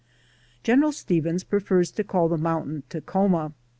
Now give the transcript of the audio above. General Stevens prefers to call the mountain Takhoma.